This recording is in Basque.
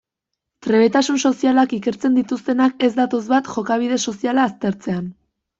Trebetasun sozialak ikertzen dituztenak ez datoz bat jokabide soziala aztertzean.